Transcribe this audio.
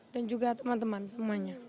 dan juga teman teman semuanya